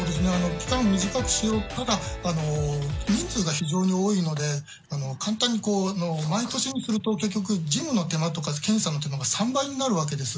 期間短く、人数が非常に多いので簡単に毎年にすると、結局、事務の手間とか、検査の手間が３倍になるわけです。